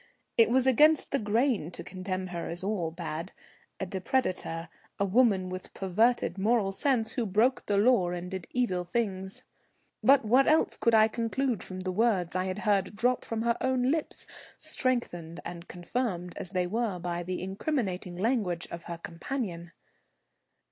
It was against the grain to condemn her as all bad, a depredator, a woman with perverted moral sense who broke the law and did evil things. But what else could I conclude from the words I had heard drop from her own lips, strengthened and confirmed as they were by the incriminating language of her companion?